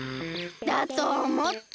だとおもった！